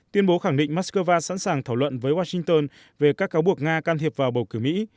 tuyên bố khẳng định moscow sẵn sàng thảo luận với washington về các cáo buộc nga can thiệp vào bầu cử mỹ